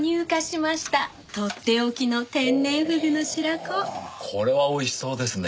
これはおいしそうですね。